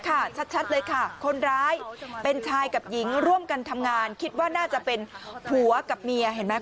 ชัดเลยค่ะคนร้ายเป็นชายกับหญิงร่วมกันทำงานคิดว่าน่าจะเป็นผัวกับเมียเห็นไหม